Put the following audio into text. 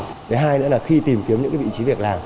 thứ hai nữa là khi tìm kiếm những vị trí việc làm